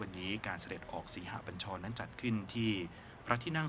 วันนี้การเสด็จออกศรีหะบัญชรนั้นจัดขึ้นที่พระที่นั่ง